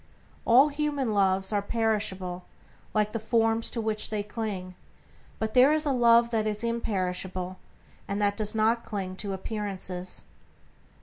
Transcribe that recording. All human loves are perishable like the forms to which they cling; but there is a Love that is imperishable, and that does not cling to appearances.